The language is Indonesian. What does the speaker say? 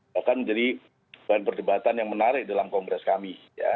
bahkan menjadi bahan perdebatan yang menarik dalam kongres kami